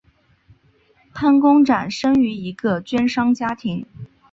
潘公展生于一个绢商家庭。